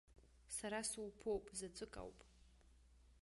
Сара суԥоуп заҵәык ауп.